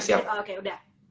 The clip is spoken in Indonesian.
suara aku jelas gak